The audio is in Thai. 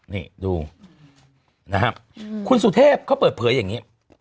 นี่ดูนะครับคุณสุเทพเขาเปิดเผยอย่างนี้